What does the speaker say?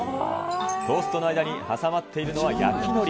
トーストの間に挟まっている焼きのり。